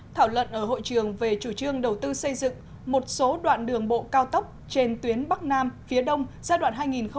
thảo luận ở hội trường về chủ trương đầu tư xây dựng một số đoạn đường bộ cao tốc trên tuyến bắc nam phía đông giai đoạn hai nghìn một mươi chín hai nghìn hai mươi